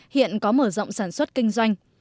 hiện có mở rộng sản xuất kinh doanh